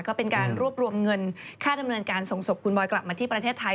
ก็เป็นการรวบรวมเงินค่าดำเนินการส่งศพคุณบอยกลับมาที่ประเทศไทย